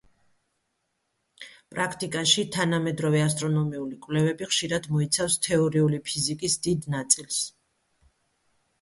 პრაქტიკაში, თანამედროვე ასტრონომიული კვლევები ხშირად მოიცავს თეორიული ფიზიკის დიდ ნაწილს.